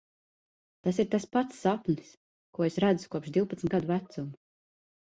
Tas ir tas pats sapnis, ko es redzu kopš divpadsmit gadu vecuma.